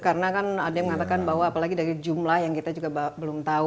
karena kan ada yang mengatakan bahwa apalagi dari jumlah yang kita juga belum tahu